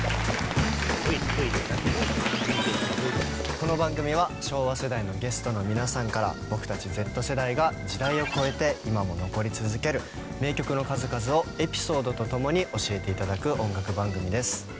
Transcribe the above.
この番組は昭和世代のゲストの皆さんから僕たちＺ世代が時代を超えて今も残り続ける名曲の数々をエピソードと共に教えて頂く音楽番組です。